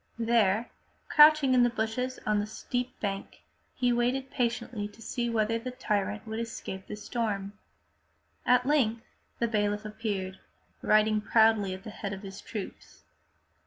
There, crouching in the bushes on the steep bank, he waited patiently to see whether the tyrant would escape the storm. At length the bailiff appeared, riding proudly at the head of his troops.